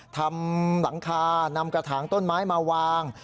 ทำหลังคานำกระถางต้นไม้มาวาง